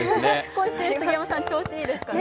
今週杉山さん調子いいですね。